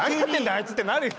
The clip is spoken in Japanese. あいつ」ってなるよ。